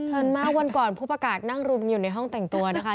มากวันก่อนผู้ประกาศนั่งรุมอยู่ในห้องแต่งตัวนะคะ